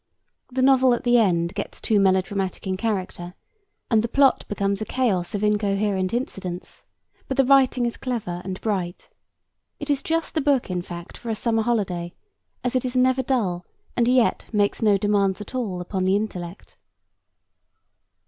The novel at the end gets too melodramatic in character and the plot becomes a chaos of incoherent incidents, but the writing is clever and bright. It is just the book, in fact, for a summer holiday, as it is never dull and yet makes no demands at all upon the intellect.